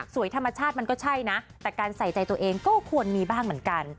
ธรรมชาติมันก็ใช่นะแต่การใส่ใจตัวเองก็ควรมีบ้างเหมือนกัน